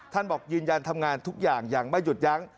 บอกยืนยันทำงานทุกอย่างอย่างไม่หยุดยั้ง